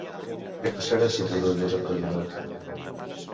Què passarà si Turull és empresonat?